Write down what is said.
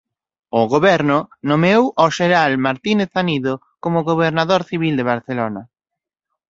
O Goberno nomeou ó xeneral Martínez Anido como Gobernador Civil de Barcelona.